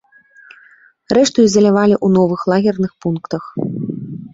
Рэшту ізалявалі ў новых лагерных пунктах.